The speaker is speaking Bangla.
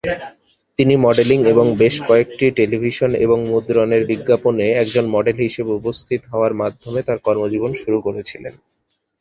তিনি মডেলিং এবং বেশ কয়েকটি টেলিভিশন এবং মুদ্রণের বিজ্ঞাপনে একজন মডেল হিসেবে উপস্থিত হওয়ার মাধ্যমে তাঁর কর্মজীবন শুরু করেছিলেন।